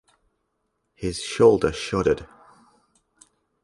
His shoulder shuddered.